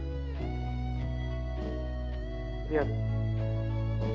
melewati empat cathy baik baik mimpi